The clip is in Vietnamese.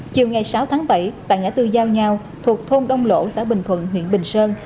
chiều ngày sáu tháng bảy tại ngã tư giao nhau thuộc thôn đông lỗ xã bình thuận huyện bình sơn